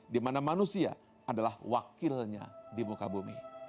dimana manusia adalah wakilnya di muka bumi